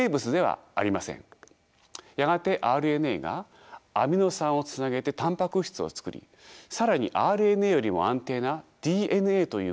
やがてＲＮＡがアミノ酸をつなげてタンパク質を作り更にＲＮＡよりも安定なＤＮＡという物質が加わります。